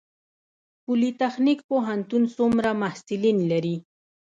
پولي تخنیک پوهنتون څومره محصلین لري؟